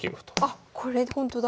あっこれほんとだ。